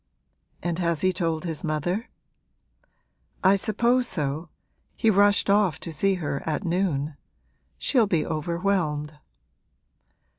'And has he told his mother?' 'I suppose so: he rushed off to see her at noon. She'll be overwhelmed.'